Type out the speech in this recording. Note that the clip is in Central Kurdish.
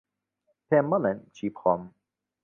پێم مەڵێن چی بخۆم.